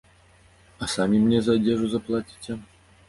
А самі мне за адзежу заплаціце?